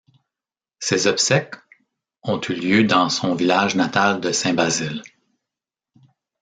Ses obsèques ont eu lieu dans son village natal de Saint-Basile.